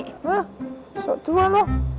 hah sok tua loh